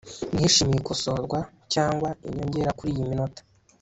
Nishimiye ikosorwa cyangwa inyongera kuriyi minota